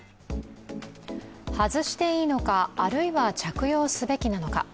外していいのか、あるいは着用すべきなのか。